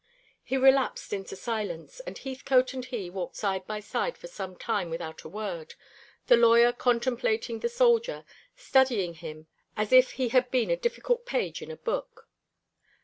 He relapsed into silence, and Heathcote and he walked side by side for some time without a word, the lawyer contemplating the soldier, studying him as if he had been a difficult page in a book.